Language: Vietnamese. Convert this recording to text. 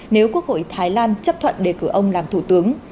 nếu quốc hội thái lan chấp thuận đề cử ông làm thủ tướng